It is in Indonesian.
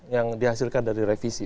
yang dihasilkan dari revisi